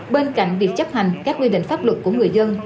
bên cạnh việc chấp hành các quy định pháp luật của người dân